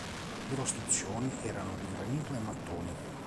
Le costruzioni erano di granito e mattoni.